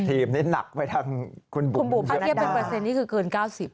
ทีมนี้หนักไปทางคุณบุพักเยี่ยมเป็นเปอร์เซ็นต์ที่คือเกิน๙๐